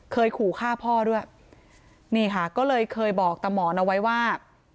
เคยขู่ฆ่าพ่อด้วยนี่ค่ะก็เลยเคยบอกตะหมอนเอาไว้ว่า